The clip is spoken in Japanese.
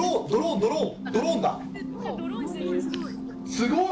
すごい。